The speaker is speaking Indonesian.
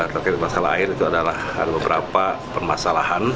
terkait masalah air itu adalah beberapa permasalahan